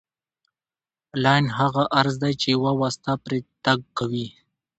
لاین هغه عرض دی چې یوه واسطه پرې تګ کوي